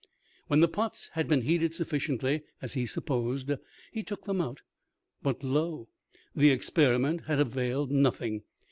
When the pots had been heated sufficiently, as he supposed, he took them out, but, lo! the experiment had availed nothing.